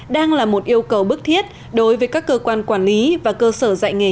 đang là một yêu cầu bức thiết đối với các cơ quan quản lý và cơ sở dạy nghề